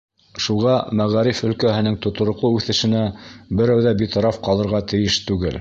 Шуға мәғариф өлкәһенең тотороҡло үҫешенә берәү ҙә битараф ҡалырға тейеш түгел.